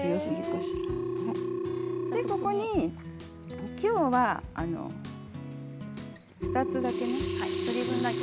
ここに、きょうは２つだけね。